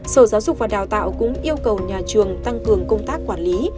sở giáo dục và đào tạo cũng yêu cầu nhà trường tăng cường công tác quản lý